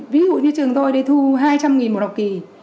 ví dụ như trường tôi đi thu hai trăm linh một học kỳ